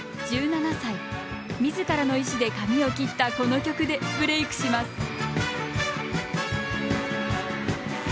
自らの意思で髪を切ったこの曲でブレークします。